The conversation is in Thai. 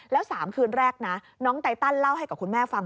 แล้ว๓คืนแรกนะน้องไตตันเล่าให้กับคุณแม่ฟัง